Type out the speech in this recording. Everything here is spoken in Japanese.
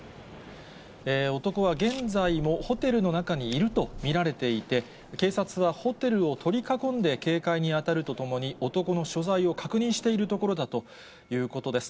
男は現在もホテルの中にいると見られていて、警察はホテルを取り囲んで警戒に当たるとともに、男の所在を確認しているところだということです。